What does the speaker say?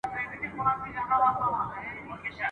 په ښرا لکه کونډیاني هر ماخستن یو `